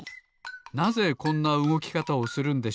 なぜこんなうごきかたをするんでしょうか？